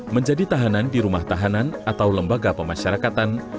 menjadi tahanan di rumah tahanan atau lembaga pemasyarakatan